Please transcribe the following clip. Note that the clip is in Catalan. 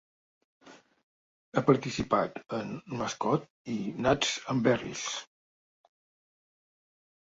Ha participat en "Mascot" i "Nuts and Berries".